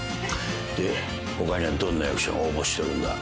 で他にはどんな役者が応募してるんだ？